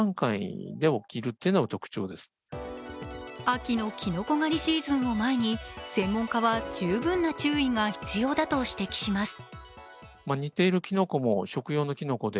秋のきのこ狩りシーズンを前に専門家は十分な注意が必要だと指摘します。